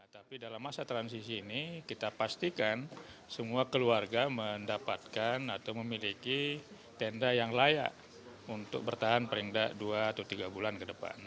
tapi dalam masa transisi ini kita pastikan semua keluarga mendapatkan atau memiliki tenda yang layak untuk bertahan paling tidak dua atau tiga bulan ke depan